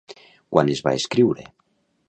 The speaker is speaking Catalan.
Quan es va escriure?